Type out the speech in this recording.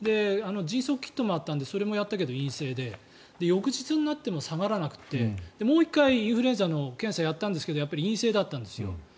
迅速キットもあったんでそれもやったけど陰性で翌日になっても下がらなくてもう１回インフルエンザの検査をやったんですけどやっぱり陰性だったんですよ。